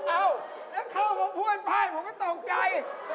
เอ้าเล่นเข้ามาพ่อไปผมก็ต้องใจ